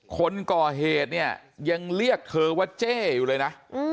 คนก่อเหตุเนี่ยยังเรียกเธอว่าเจ้อยู่เลยนะ